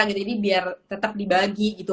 jadi biar tetep dibagi gitu